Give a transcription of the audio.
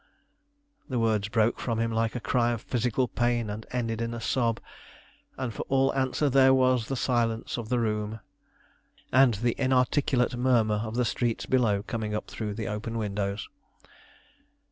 The words broke from him like a cry of physical pain, and ended in a sob, and for all answer there was the silence of the room and the inarticulate murmur of the streets below coming up through the open windows.